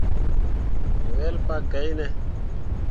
Mo wel pa gai ne.